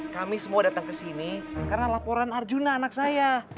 kami semua datang ke sini karena laporan arjuna anak saya